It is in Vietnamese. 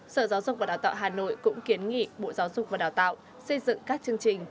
sở giáo dục và đào tạo hà nội cũng kiến nghị bộ giáo dục và đào tạo xây dựng các chương trình